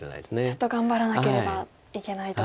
ちょっと頑張らなければいけないと。